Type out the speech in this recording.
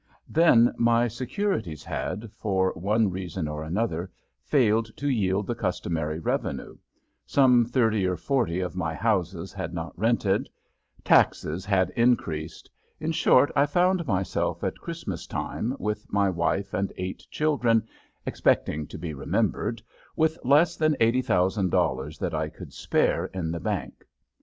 Then my securities had, for one reason or another, failed to yield the customary revenue; some thirty or forty of my houses had not rented; taxes had increased in short, I found myself at Christmas time, with my wife and eight children expecting to be remembered, with less than $80,000 that I could spare in the bank.